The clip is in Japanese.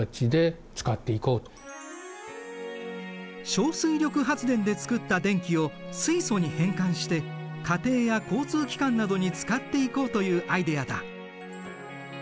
小水力発電で作った電気を水素に変換して家庭や交通機関などに使っていこうというアイデアだ。